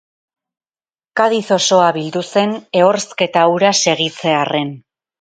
Cadiz osoa bildu zen ehorzketa hura segitzearren.